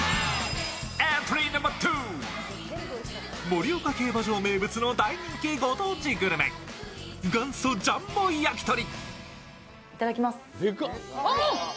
盛岡競馬場名物の大人気ご当地グルメ元祖ジャンボ焼き鳥。